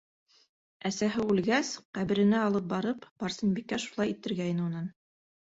Әсәһе үлгәс, ҡәберенә алып барып, Барсынбикә шулай иттергәйне унан.